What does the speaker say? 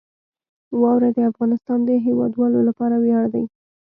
واوره د افغانستان د هیوادوالو لپاره ویاړ دی.